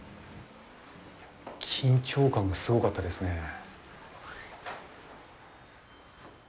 緊張感がすごかったですね。